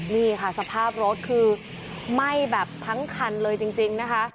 นี่ค่ะสภาพรถคือไหม้แบบทั้งคันเลยจริงนะคะ